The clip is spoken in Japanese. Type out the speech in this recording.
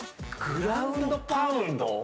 「グランドパウンド」